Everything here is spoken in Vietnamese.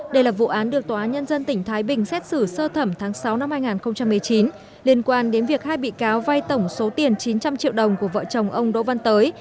đây là vụ án được tòa nhân dân tỉnh thái bình xét xử sơ thẩm tháng sáu năm hai nghìn một mươi chín liên quan đến việc hai bị cáo vai tổng số tiền chín trăm linh triệu đồng của vợ chồng ông đỗ văn tới